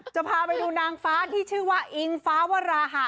จะพาไปดูนางฟ้าที่ชื่อว่าอิงฟ้าวราหะ